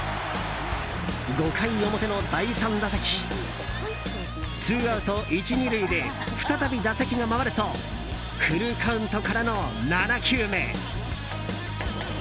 ５回表の第３打席ツーアウト１、２塁で再び打席が回るとフルカウントからの７球目。